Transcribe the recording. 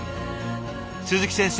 鈴木先生